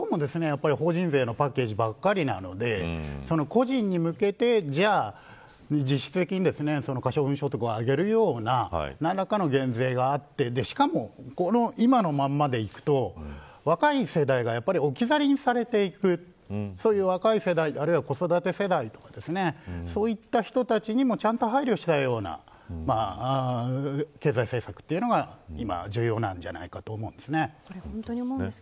どうも法人税のパッケージばっかりなんで個人に向けて実質的に可処分所得を上げるような何らかの減税があって、しかも今のままでいくと若い世代が置き去りにされていく若い世代、あるいは子育て世代とかそういった人たちにもちゃんと配慮したような経済政策が今、重要なんじゃないかと思います。